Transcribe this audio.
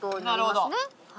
なるほど。